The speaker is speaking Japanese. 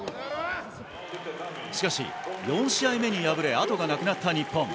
しかし４試合目に敗れあとがなくなった日本。